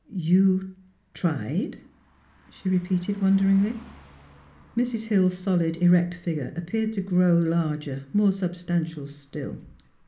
" You — tried? " she repeated, wonderingiy. Mrs. Hill's solid, erect figure appeared to grow larger, more substantial still.